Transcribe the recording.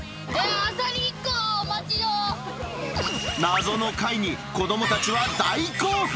アサリ１個、謎の貝に子どもたちは大興奮。